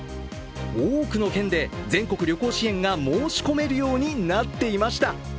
多くの県で全国旅行支援が申し込めるようになっていました。